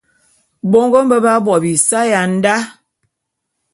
Bongo mbe b'á bo bisae ya ndá.